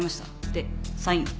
でサインを。